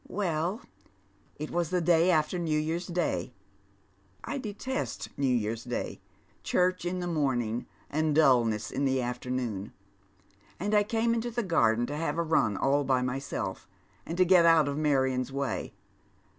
" Well, it was the day after New Year's Day. I detest New Year's Day. Church in the morning, and dulness in the after «oon — and I came into the garden to have a run all by myself, and to get out of Marion's way.